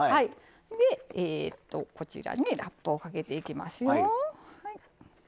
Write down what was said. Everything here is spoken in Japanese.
でこちらねラップをかけていきますよ。